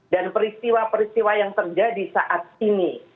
dan peristiwa peristiwa yang terjadi saat ini